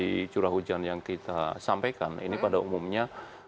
jadi curah hujan yang kita sampaikan ini pada umumnya